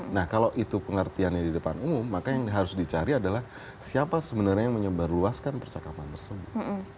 nah kalau itu pengertiannya di depan umum maka yang harus dicari adalah siapa sebenarnya yang menyebarluaskan percakapan tersebut